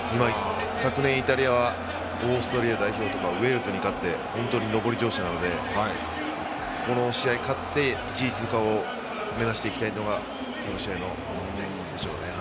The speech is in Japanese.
昨年、イタリアはオーストリア代表とかウェールズに勝って上り調子なのでこの試合に勝って１位通過を目指していきたいというのがこの試合でしょうね。